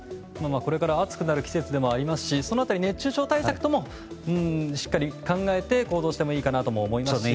これから暑くなる季節でもありますしその辺り、熱中症対策ともしっかり考えて行動してもいいかなと思いますし。